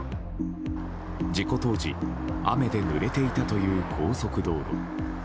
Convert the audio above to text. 事故当時、雨でぬれていたという高速道路。